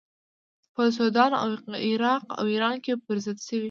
په سودان او عراق او ایران کې پر ضد شوې.